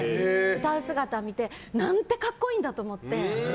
歌う姿を見てなんて格好いいんだと思って。